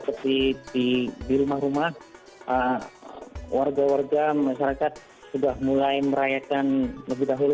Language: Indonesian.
seperti di rumah rumah warga warga masyarakat sudah mulai merayakan lebih dahulu